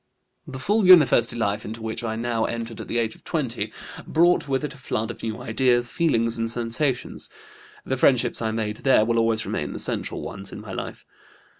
"The full university life into which I now entered at the age of 20 brought with it a flood of new ideas, feelings and sensations. The friendships I made there will always remain the central ones in my life.